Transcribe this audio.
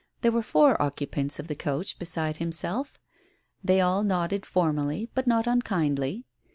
There were four occupants of the coach beside himself. They all nodded formally, but not unkindly.